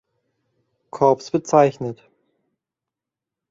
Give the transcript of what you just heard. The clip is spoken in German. Corps bezeichnet.